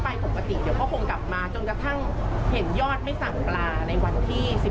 ปกติเดี๋ยวก็คงกลับมาจนกระทั่งเห็นยอดไม่สั่งปลาในวันที่๑๔